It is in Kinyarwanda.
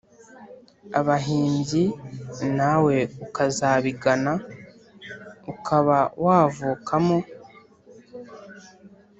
abahimbyi, nawe ukazabigana, ukaba wavukamo